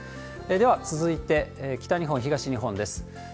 では続いて、北日本、東日本です。